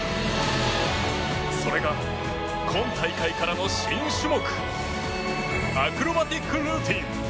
それが今大会からの新種目アクロバティックルーティン。